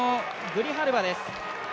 グリハルバです。